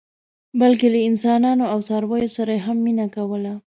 بلکې له انسانانو او څارویو سره یې هم مینه کوله.